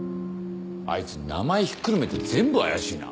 あいつ名前ひっくるめて全部怪しいな。